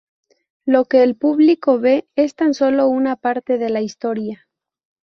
Lo que el público ve es tan solo una parte de la historia.